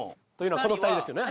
この２人ですよね？